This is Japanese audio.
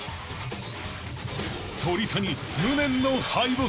［鳥谷無念の敗北］